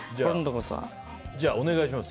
じゃあ、お願いします。